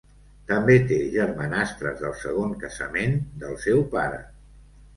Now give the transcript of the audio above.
També té germanastres del segon casament del seu pare.